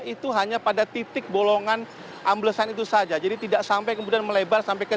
itu hanya pada titik bolongan amblesan itu saja jadi tidak sampai kemudian melebar sampai ke